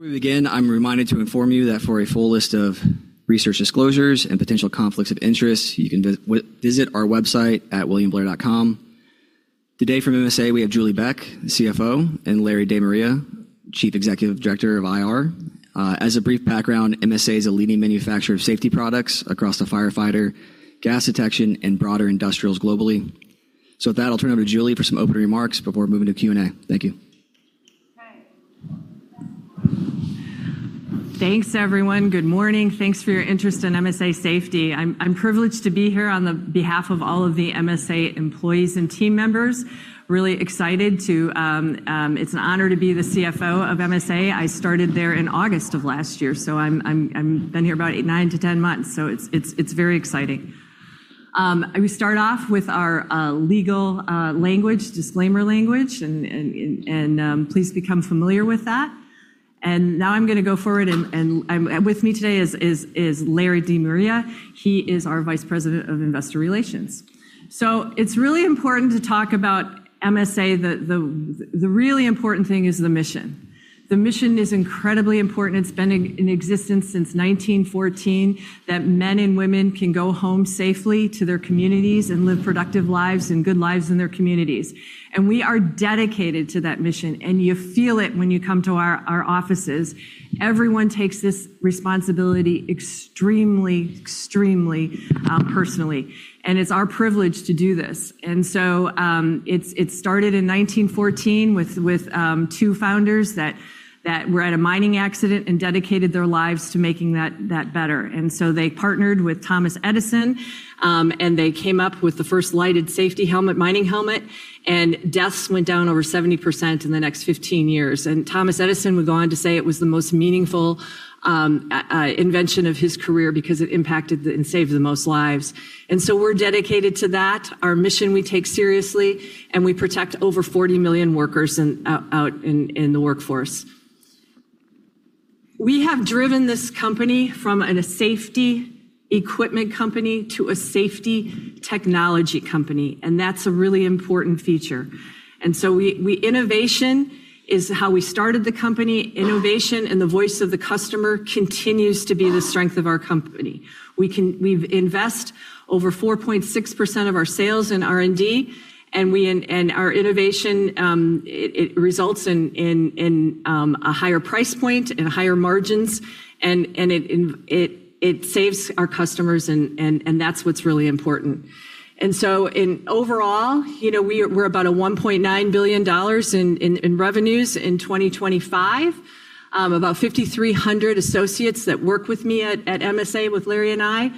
Before we begin, I'm reminded to inform you that for a full list of research disclosures and potential conflicts of interest, you can visit our website at williamblair.com. Today from MSA, we have Julie Beck, the CFO, and Larry De Maria, Executive Director, Investor Relations. As a brief background, MSA is a leading manufacturer of safety products across the firefighter, gas detection, and broader industrials globally. With that, I'll turn it over to Julie for some opening remarks before moving to Q&A. Thank you. Okay. Thanks, everyone. Good morning. Thanks for your interest in MSA Safety. I'm privileged to be here on the behalf of all of the MSA employees and team members. Really excited. It's an honor to be the CFO of MSA. I started there in August of last year. I've been here about 9-10 months, so it's very exciting. We start off with our legal language, disclaimer language, and please become familiar with that. Now I'm going to go forward and with me today is Larry De Maria. He is our Vice President of Investor Relations. It's really important to talk about MSA. The really important thing is the mission. The mission is incredibly important. It's been in existence since 1914 that men and women can go home safely to their communities and live productive lives and good lives in their communities. We are dedicated to that mission, and you feel it when you come to our offices. Everyone takes this responsibility extremely personally, and it's our privilege to do this. It started in 1914 with two founders that were at a mining accident and dedicated their lives to making that better. They partnered with Thomas Edison, and they came up with the first lighted safety helmet, mining helmet, and deaths went down over 70% in the next 15 years. Thomas Edison would go on to say it was the most meaningful invention of his career because it impacted and saved the most lives. We're dedicated to that. Our mission we take seriously, and we protect over 40 million workers out in the workforce. We have driven this company from a safety equipment company to a safety technology company, and that's a really important feature. Innovation is how we started the company. Innovation and the voice of the customer continues to be the strength of our company. We invest over 4.6% of our sales in R&D, and our innovation, it results in a higher price point and higher margins. It saves our customers, and that's what's really important. Overall, we're about $1.9 billion in revenues in 2025. About 5,300 associates that work with me at MSA, with Larry and I.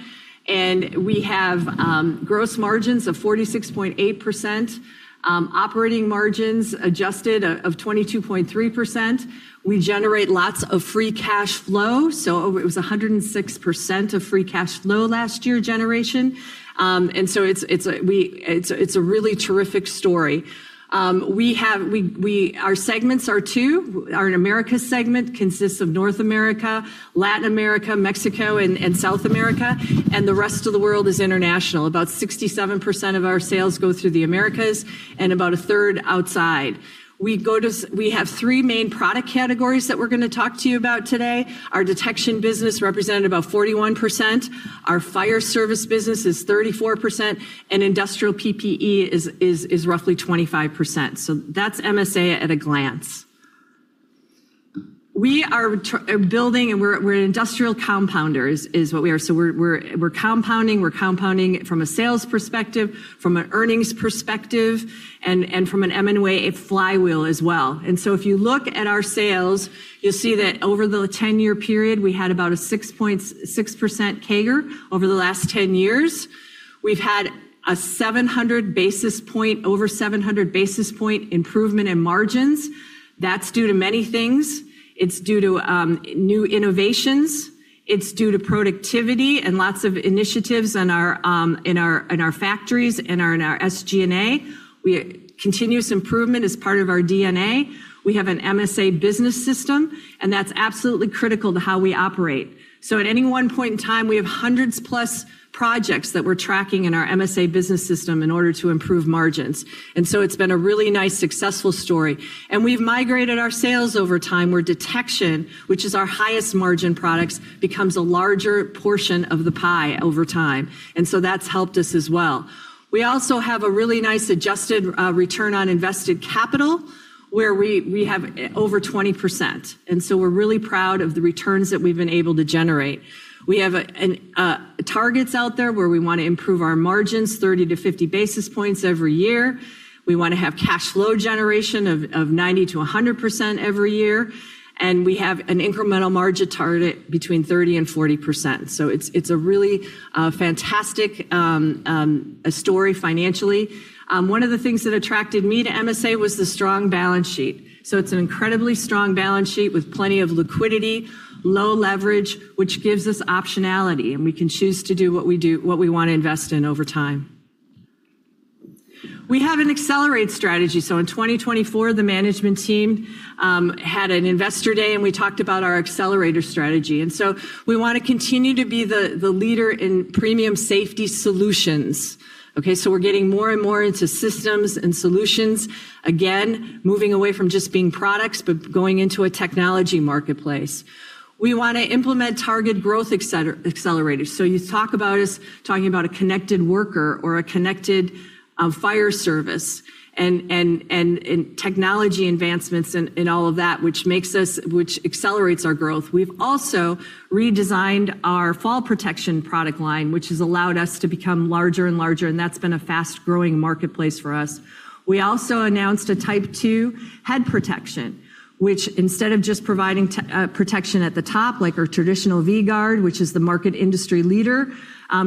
We have gross margins of 46.8%, operating margins adjusted of 22.3%. We generate lots of free cash flow. It was 106% of free cash flow last year generation. It's a really terrific story. Our segments are two. Our Americas segment consists of North America, Latin America, Mexico, and South America. The rest of the world is international. About 67% of our sales go through the Americas. About a third outside. We have three main product categories that we're going to talk to you about today. Our detection business represent about 41%. Our fire service business is 34%. Industrial PPE is roughly 25%. That's MSA at a glance. We are building and we're industrial compounders, is what we are. We're compounding. We're compounding from a sales perspective, from an earnings perspective, from an M&A flywheel as well. If you look at our sales, you'll see that over the 10-year period, we had about a 6.6% CAGR over the last 10 years. We've had a 700 basis point, over 700 basis point improvement in margins. That's due to many things. It's due to new innovations. It's due to productivity and lots of initiatives in our factories and in our SG&A. Continuous improvement is part of our DNA. We have an MSA Business System. That's absolutely critical to how we operate. At any one point in time, we have hundreds plus projects that we're tracking in our MSA Business System in order to improve margins. It's been a really nice, successful story. We've migrated our sales over time, where detection, which is our highest margin products, becomes a larger portion of the pie over time. That's helped us as well. We also have a really nice adjusted return on invested capital, where we have over 20%. We're really proud of the returns that we've been able to generate. We have targets out there where we want to improve our margins 30 to 50 basis points every year. We want to have cash flow generation of 90%-100% every year. We have an incremental margin target between 30% and 40%. It's a really fantastic story financially. One of the things that attracted me to MSA Safety was the strong balance sheet. It's an incredibly strong balance sheet with plenty of liquidity, low leverage, which gives us optionality, and we can choose to do what we want to invest in over time. We have an Accelerate strategy. In 2024, the management team had an investor day, and we talked about our Accelerate strategy. We want to continue to be the leader in premium safety solutions. Okay, we're getting more and more into systems and solutions, again, moving away from just being products, but going into a technology marketplace. We want to implement target growth accelerators. You talk about us talking about a connected worker or a connected fire service and in technology advancements and all of that, which accelerates our growth. We've also redesigned our fall protection product line, which has allowed us to become larger and larger, and that's been a fast-growing marketplace for us. We also announced a Type II head protection, which instead of just providing protection at the top, like our traditional V-Gard, which is the market industry leader,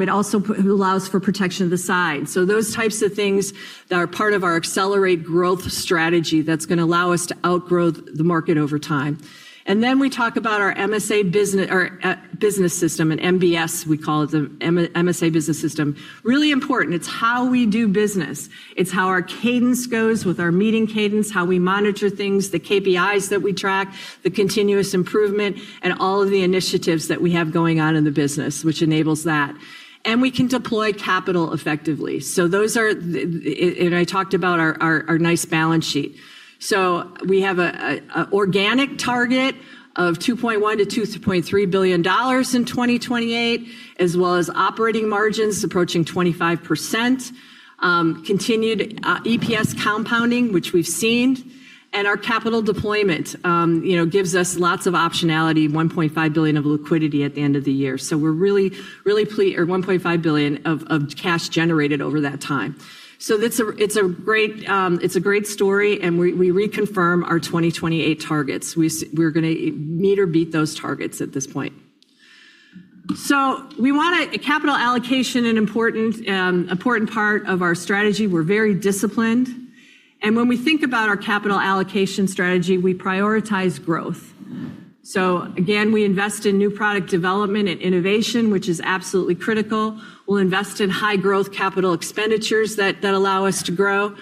it also allows for protection of the side. Those types of things that are part of our Accelerate strategy that's going to allow us to outgrow the market over time. We talk about our MSA Business System, an MBS, we call it, the MSA Business System. Really important. It's how we do business. It's how our cadence goes with our meeting cadence, how we monitor things, the KPIs that we track, the continuous improvement, and all of the initiatives that we have going on in the business, which enables that. We can deploy capital effectively. I talked about our nice balance sheet. We have an organic target of $2.1 billion-$2.3 billion in 2028, as well as operating margins approaching 25%, continued EPS compounding, which we've seen. Our capital deployment gives us lots of optionality, $1.5 billion of liquidity at the end of the year. Or $1.5 billion of cash generated over that time. It's a great story and we reconfirm our 2028 targets. We're going to meet or beat those targets at this point. We want a capital allocation, an important part of our strategy. We're very disciplined. When we think about our capital allocation strategy, we prioritize growth. Again, we invest in new product development and innovation, which is absolutely critical. We'll invest in high growth capital expenditures that allow us to grow.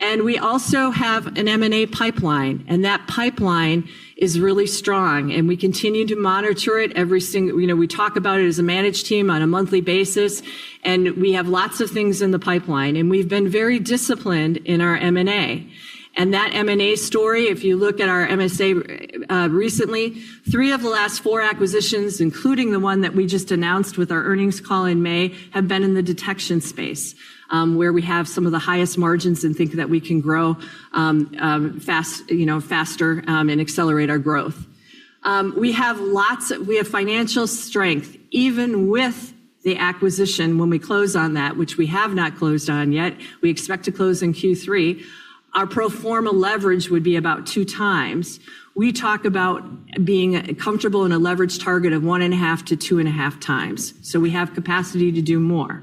We also have an M&A pipeline. That pipeline is really strong. We continue to monitor it. We talk about it as a managed team on a monthly basis. We have lots of things in the pipeline. We've been very disciplined in our M&A. That M&A story, if you look at our MSA recently, three of the last four acquisitions, including the one that we just announced with our earnings call in May, have been in the detection space, where we have some of the highest margins and think that we can grow faster and accelerate our growth. We have financial strength, even with the acquisition, when we close on that, which we have not closed on yet. We expect to close in Q3. Our pro forma leverage would be about 2x. We talk about being comfortable in a leverage target of 1.5-2.5x. We have capacity to do more.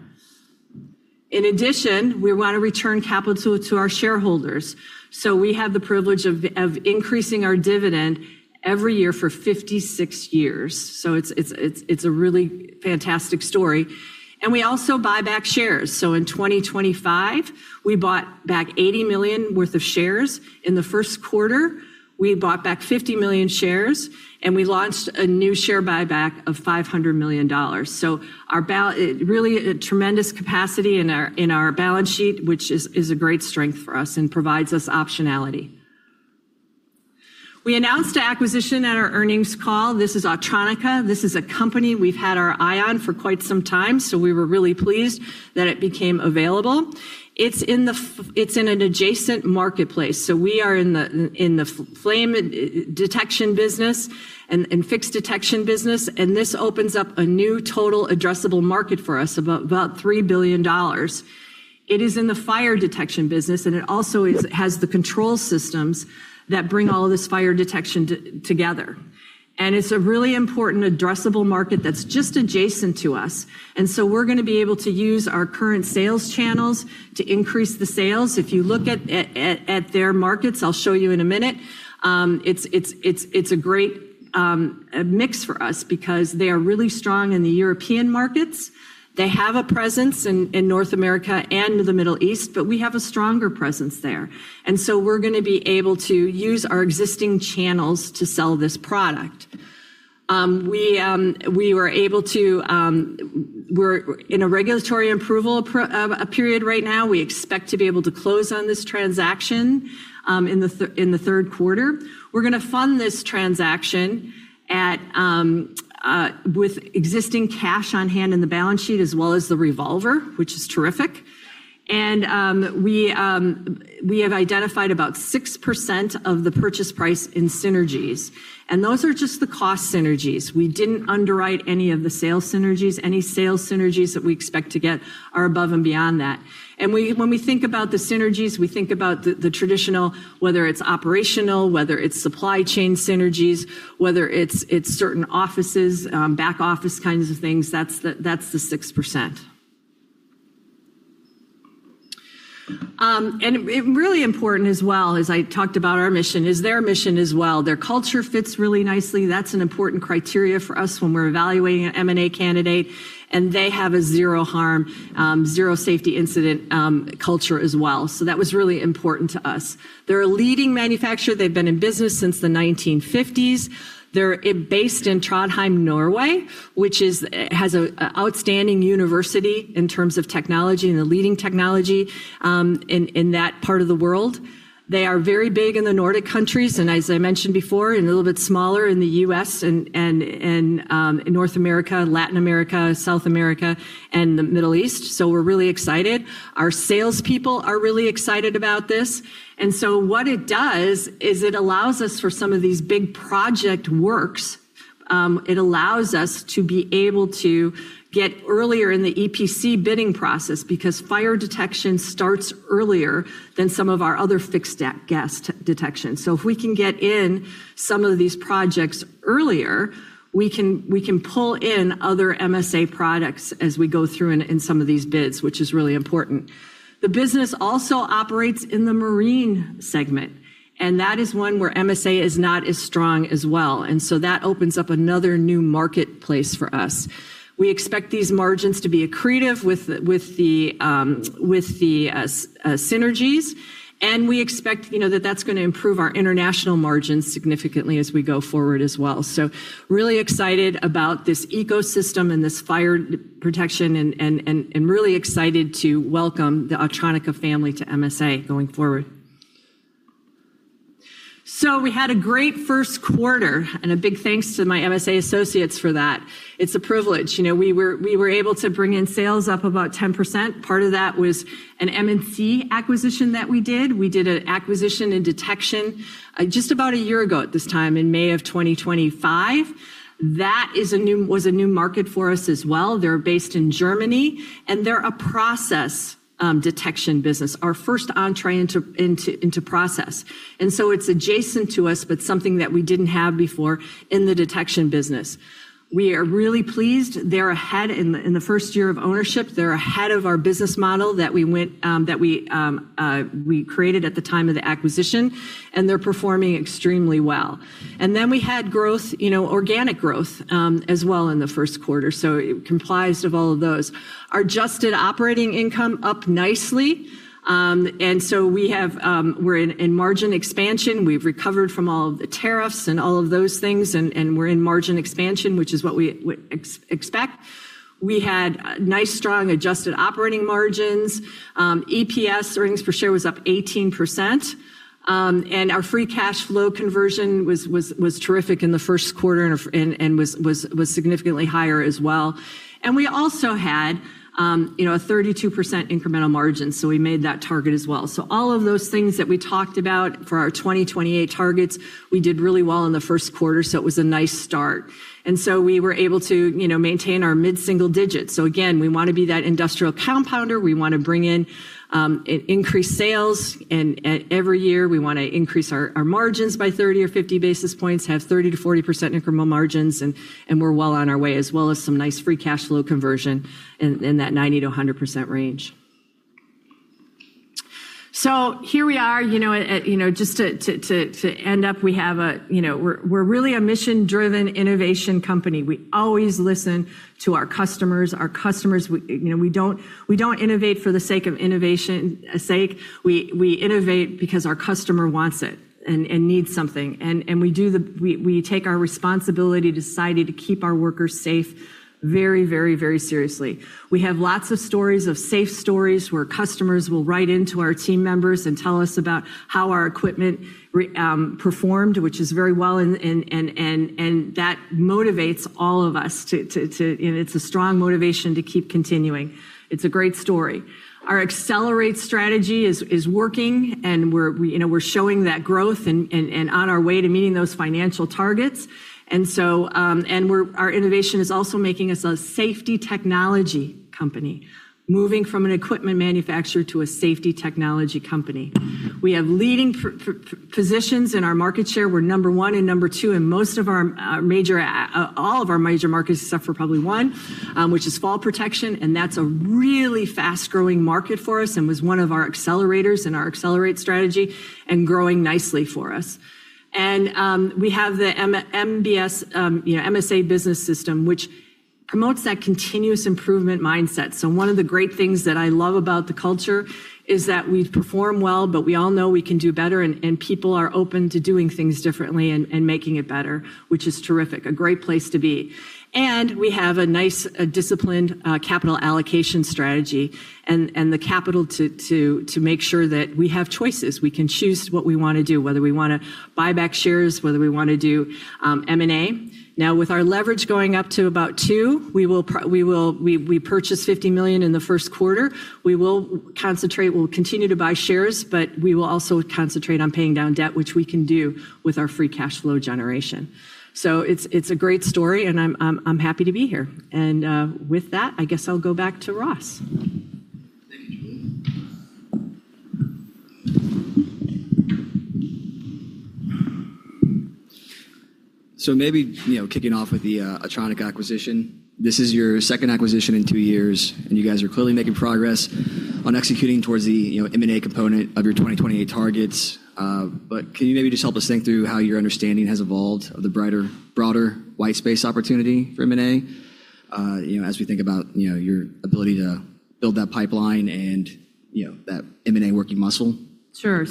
In addition, we want to return capital to our shareholders. We have the privilege of increasing our dividend every year for 56 years. It's a really fantastic story. We also buy back shares. In 2025, we bought back $80 million worth of shares. In the first quarter, we bought back $50 million shares, and we launched a new share buyback of $500 million. Really a tremendous capacity in our balance sheet, which is a great strength for us and provides us optionality. We announced an acquisition at our earnings call. This is Autronica. This is a company we've had our eye on for quite some time, so we were really pleased that it became available. It's in an adjacent marketplace. We are in the flame detection business and fixed detection business, and this opens up a new total addressable market for us of about $3 billion. It is in the fire detection business, and it also has the control systems that bring all of this fire detection together. It's a really important addressable market that's just adjacent to us. We're going to be able to use our current sales channels to increase the sales. If you look at their markets, I'll show you in a minute. It's a great mix for us because they are really strong in the European markets. They have a presence in North America and the Middle East, but we have a stronger presence there. We're going to be able to use our existing channels to sell this product. We're in a regulatory approval period right now. We expect to be able to close on this transaction in the third quarter. We're going to fund this transaction with existing cash on hand in the balance sheet as well as the revolver, which is terrific. We have identified about 6% of the purchase price in synergies, and those are just the cost synergies. We didn't underwrite any of the sales synergies. Any sales synergies that we expect to get are above and beyond that. When we think about the synergies, we think about the traditional, whether it's operational, whether it's supply chain synergies, whether it's certain offices, back office kinds of things. That's the 6%. Really important as well, as I talked about our mission, is their mission as well. Their culture fits really nicely. That's an important criteria for us when we're evaluating an M&A candidate. They have a zero harm, zero safety incident culture as well. That was really important to us. They're a leading manufacturer. They've been in business since the 1950s. They're based in Trondheim, Norway, which has an outstanding university in terms of technology and the leading technology in that part of the world. They are very big in the Nordic countries, and as I mentioned before, and a little bit smaller in the U.S. and North America, Latin America, South America, and the Middle East. We're really excited. Our salespeople are really excited about this. What it does is it allows us for some of these big project works. It allows us to be able to get earlier in the EPC bidding process because fire detection starts earlier than some of our other fixed gas detection. If we can get in some of these projects earlier, we can pull in other MSA products as we go through in some of these bids, which is really important. The business also operates in the marine segment, and that is one where MSA is not as strong as well. That opens up another new marketplace for us. We expect these margins to be accretive with the synergies, and we expect that that's going to improve our international margins significantly as we go forward as well. Really excited about this ecosystem and this fire protection and really excited to welcome the Autronica family to MSA going forward. We had a great first quarter and a big thanks to my MSA associates for that. It's a privilege. We were able to bring in sales up about 10%. Part of that was an M&C acquisition that we did. We did an acquisition in detection just about a year ago at this time in May of 2025. That was a new market for us as well. They're based in Germany, and they're a process detection business, our first entree into process. It's adjacent to us, but something that we didn't have before in the detection business. We are really pleased. They're ahead in the first year of ownership. They're ahead of our business model that we created at the time of the acquisition, and they're performing extremely well. We had organic growth as well in the first quarter. It complies of all of those. Adjusted operating income up nicely. We're in margin expansion. We've recovered from all of the tariffs and all of those things, and we're in margin expansion, which is what we expect. We had nice, strong adjusted operating margins. EPS, earnings per share, was up 18%, and our free cash flow conversion was terrific in the first quarter and was significantly higher as well. We also had a 32% incremental margin, so we made that target as well. All of those things that we talked about for our 2028 targets, we did really well in the first quarter, so it was a nice start. We were able to maintain our mid-single digits. Again, we want to be that industrial compounder. We want to bring in increased sales, and every year, we want to increase our margins by 30 or 50 basis points, have 30%-40% incremental margins, and we're well on our way, as well as some nice free cash flow conversion in that 90%-100% range. Here we are. Just to end up, we're really a mission-driven innovation company. We always listen to our customers. We don't innovate for the sake of innovation sake. We innovate because our customer wants it and needs something. We take our responsibility to society to keep our workers safe very seriously. We have lots of stories of safe stories where customers will write into our team members and tell us about how our equipment performed, which is very well, and that motivates all of us. It's a strong motivation to keep continuing. It's a great story. Our Accelerate strategy is working, and we're showing that growth and on our way to meeting those financial targets. Our innovation is also making us a safety technology company, moving from an equipment manufacturer to a safety technology company. We have leading positions in our market share. We're number one and number two in all of our major markets except for probably one, which is fall protection, and that's a really fast-growing market for us and was one of our accelerators in our Accelerate strategy and growing nicely for us. We have the MSA Business System, which promotes that continuous improvement mindset. One of the great things that I love about the culture is that we perform well, but we all know we can do better, and people are open to doing things differently and making it better, which is terrific. A great place to be. We have a nice, disciplined capital allocation strategy and the capital to make sure that we have choices. We can choose what we want to do, whether we want to buy back shares, whether we want to do M&A. Now, with our leverage going up to about two, we purchased $50 million in the first quarter. We'll continue to buy shares, but we will also concentrate on paying down debt, which we can do with our free cash flow generation. It's a great story, and I'm happy to be here. With that, I guess I'll go back to Ross. Thank you, Julie. Maybe kicking off with the Autronica acquisition. This is your second acquisition in two years, and you guys are clearly making progress on executing towards the M&A component of your 2028 targets. Can you maybe just help us think through how your understanding has evolved of the broader white space opportunity for M&A? As we think about your ability to build that pipeline and that M&A working muscle. Sure.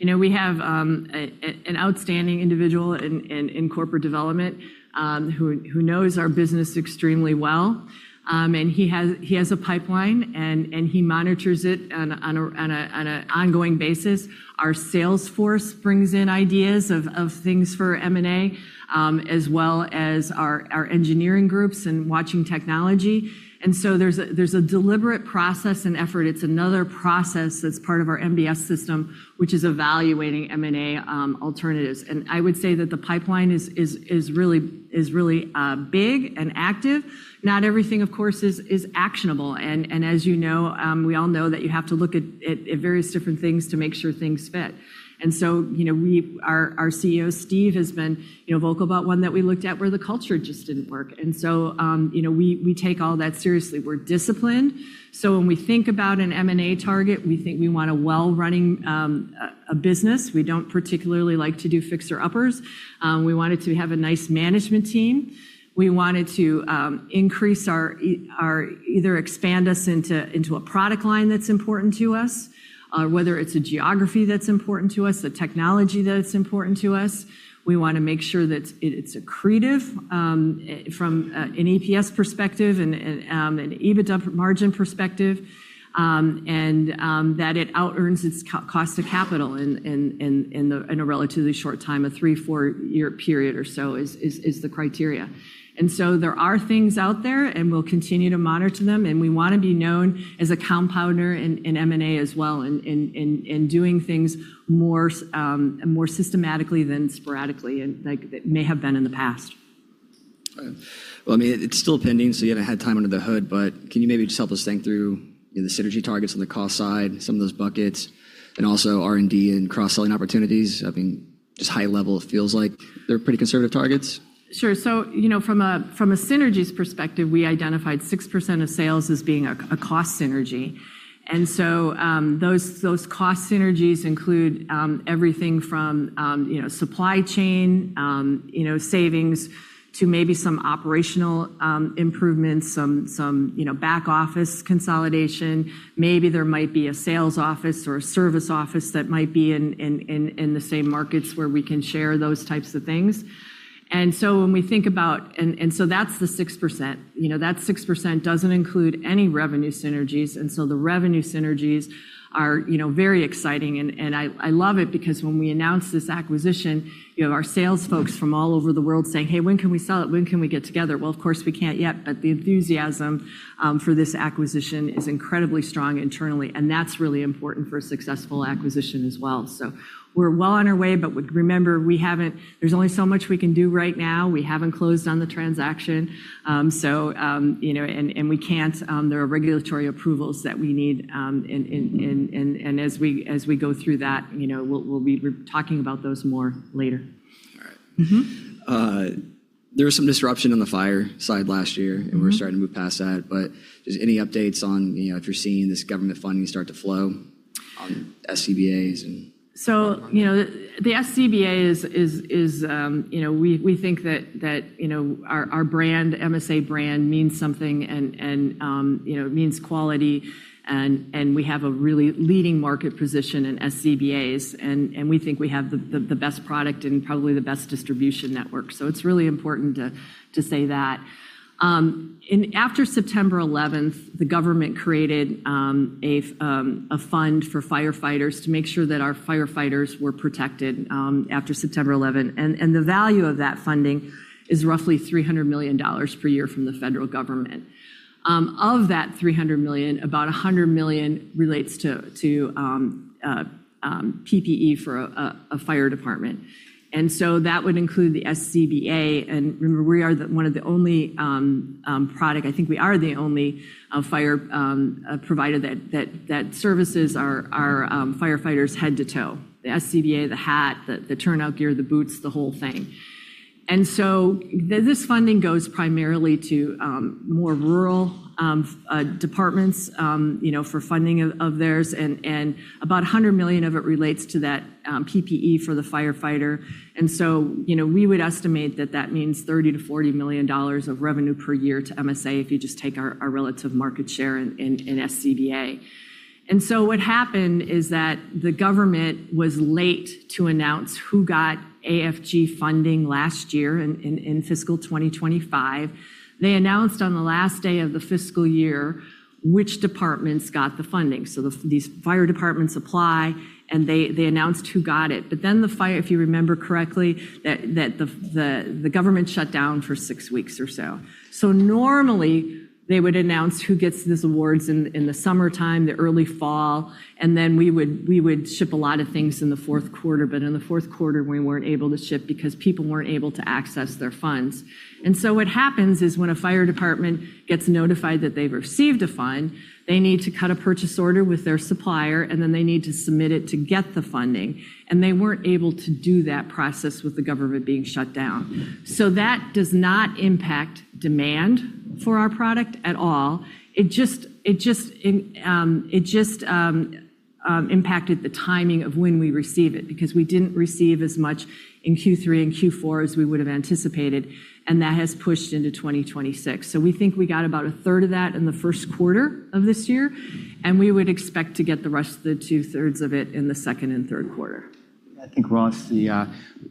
We have an outstanding individual in corporate development who knows our business extremely well, and he has a pipeline, and he monitors it on an ongoing basis. Our sales force brings in ideas of things for M&A, as well as our engineering groups and watching technology. There's a deliberate process and effort. It's another process that's part of our MBS System, which is evaluating M&A alternatives. I would say that the pipeline is really big and active. Not everything, of course, is actionable. As you know, we all know that you have to look at various different things to make sure things fit. Our CEO, Steve, has been vocal about one that we looked at where the culture just didn't work. We take all that seriously. We're disciplined. When we think about an M&A target, we think we want a well-running business. We don't particularly like to do fixer-uppers. We wanted to have a nice management team. We wanted to either expand us into a product line that's important to us, whether it's a geography that's important to us, the technology that's important to us. We want to make sure that it's accretive from an EPS perspective and an EBITDA margin perspective, and that it out-earns its cost of capital in a relatively short time. A three, four-year period or so is the criteria. There are things out there, and we'll continue to monitor them, and we want to be known as a compounder in M&A as well in doing things more systematically than sporadically and like may have been in the past. Okay. Well, it's still pending, so you haven't had time under the hood, but can you maybe just help us think through the synergy targets on the cost side, some of those buckets, and also R&D and cross-selling opportunities? I think just high level, it feels like they're pretty conservative targets. Sure. From a synergies perspective, we identified 6% of sales as being a cost synergy. Those cost synergies include everything from supply chain savings to maybe some operational improvements, some back-office consolidation. Maybe there might be a sales office or a service office that might be in the same markets where we can share those types of things. That's the 6%. That 6% doesn't include any revenue synergies. The revenue synergies are very exciting, and I love it because when we announced this acquisition, our sales folks from all over the world saying, "Hey, when can we sell it? When can we get together?" Well, of course, we can't yet, but the enthusiasm for this acquisition is incredibly strong internally, and that's really important for a successful acquisition as well. We're well on our way, but remember, there's only so much we can do right now. We haven't closed on the transaction. There are regulatory approvals that we need, and as we go through that, we'll be talking about those more later. All right. There was some disruption on the fire side last year, and we're starting to move past that, but just any updates on if you're seeing this government funding start to flow on SCBAs and? The SCBA is, we think that our MSA brand means something and it means quality and we have a really leading market position in SCBAs, and we think we have the best product and probably the best distribution network. It's really important to say that. After September 11, the government created a fund for firefighters to make sure that our firefighters were protected after September 11. The value of that funding is roughly $300 million per year from the federal government. Of that $300 million, about $100 million relates to PPE for a fire department. That would include the SCBA. Remember, we are one of the only product, I think we are the only fire provider that services our firefighters head to toe, the SCBA, the hat, the turnout gear, the boots, the whole thing. This funding goes primarily to more rural departments for funding of theirs, and about $100 million of it relates to that PPE for the firefighter. We would estimate that that means $30 million-$40 million of revenue per year to MSA if you just take our relative market share in SCBA. What happened is that the government was late to announce who got AFG funding last year in fiscal 2025. They announced on the last day of the fiscal year which departments got the funding. These fire departments apply, and they announced who got it. The fire, if you remember correctly, that the government shut down for six weeks or so. Normally, they would announce who gets these awards in the summertime, the early fall, and then we would ship a lot of things in the fourth quarter. In the fourth quarter, we weren't able to ship because people weren't able to access their funds. What happens is when a fire department gets notified that they've received a fund, they need to cut a purchase order with their supplier, and then they need to submit it to get the funding. They weren't able to do that process with the government being shut down. That does not impact demand for our product at all. It just impacted the timing of when we receive it, because we didn't receive as much in Q3 and Q4 as we would have anticipated, and that has pushed into 2026. We think we got about a third of that in the first quarter of this year, and we would expect to get the rest of the two-thirds of it in the second and third quarter. I think, Ross, we've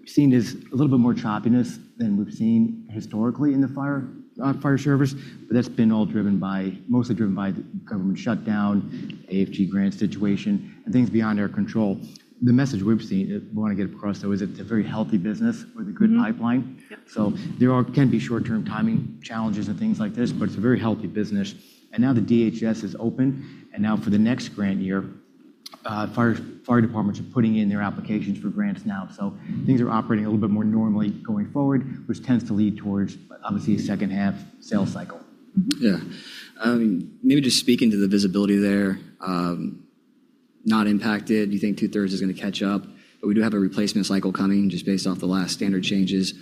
seen is a little bit more choppiness than we've seen historically in the fire service, but that's been mostly driven by the government shutdown, AFG grant situation, and things beyond our control. The message we've seen, we want to get across, though, is it's a very healthy business with a good pipeline. Mm-hmm. Yep. There can be short-term timing challenges and things like this, but it's a very healthy business. Now the DHS is open, and now for the next grant year, fire departments are putting in their applications for grants now. Things are operating a little bit more normally going forward, which tends to lead towards, obviously, a second half sales cycle. Yeah. Maybe just speaking to the visibility there, not impacted. You think two-thirds is going to catch up. We do have a replacement cycle coming just based off the last standard changes.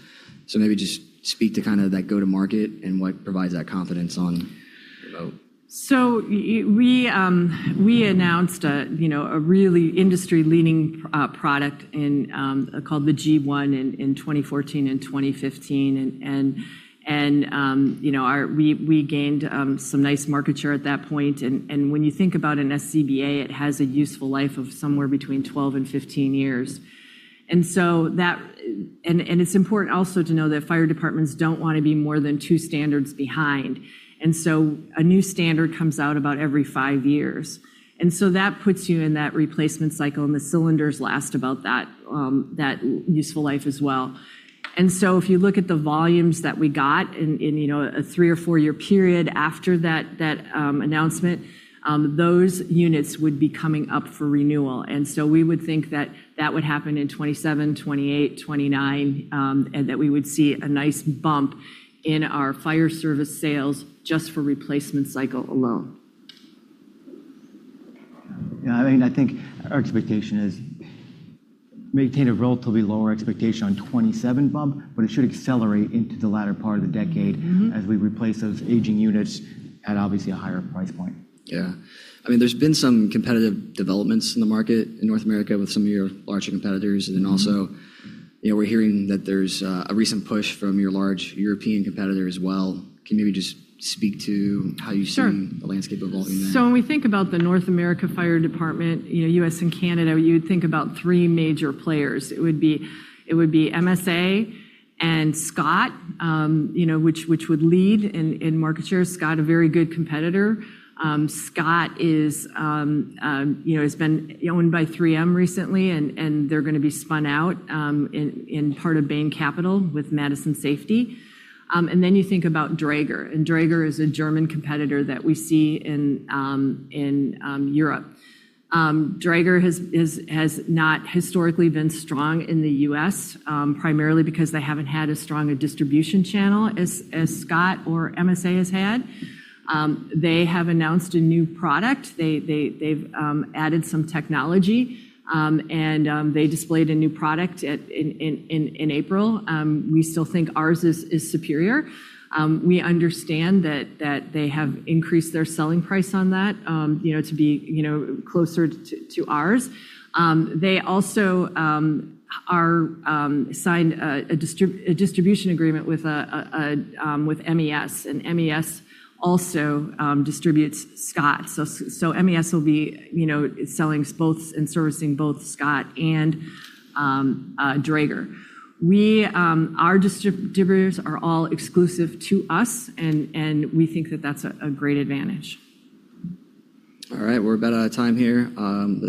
Maybe just speak to that go to market and what provides that confidence on remote. We announced a really industry-leading product called the G1 in 2014 and 2015. We gained some nice market share at that point, and when you think about an SCBA, it has a useful life of somewhere between 12 and 15 years. It's important also to know that fire departments don't want to be more than two standards behind, and so a new standard comes out about every five years. That puts you in that replacement cycle, and the cylinders last about that useful life as well. If you look at the volumes that we got in a three or four-year period after that announcement, those units would be coming up for renewal. We would think that that would happen in 2027, 2028, 2029, and that we would see a nice bump in our fire service sales just for replacement cycle alone. Yeah. I think our expectation is maintain a relatively lower expectation on 2027 bump, but it should accelerate into the latter part of the decade. As we replace those aging units at obviously a higher price point. Yeah. There's been some competitive developments in the market in North America with some of your larger competitors, and then also, we're hearing that there's a recent push from your large European competitor as well. Can you maybe just speak to how you see- Sure the landscape evolving there? When we think about the North America fire department, U.S. and Canada, you would think about three major players. It would be MSA and Scott, which would lead in market share. Scott, a very good competitor. Scott has been owned by 3M recently, and they're going to be spun out in part of Bain Capital with Madison Fire & Rescue. You think about Dräger, and Dräger is a German competitor that we see in Europe. Dräger has not historically been strong in the U.S., primarily because they haven't had as strong a distribution channel as Scott or MSA has had. They have announced a new product. They've added some technology, and they displayed a new product in April. We still think ours is superior. We understand that they have increased their selling price on that to be closer to ours. They also signed a distribution agreement with MES, and MES also distributes Scott. MES will be selling both and servicing both Scott and Dräger. Our distributors are all exclusive to us, and we think that that's a great advantage. All right. We're about out of time here.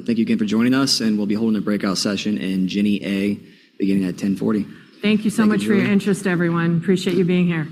Thank you again for joining us, and we'll be holding a breakout session in Ginny A beginning at 10:40. Thank you so much for your interest, everyone. Appreciate you being here.